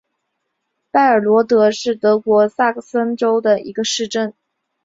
拜尔罗德是德国萨克森州的一个市镇。